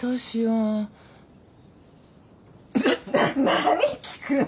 何聞くの？